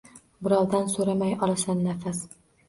Birovdan so’ramay olasan nafas.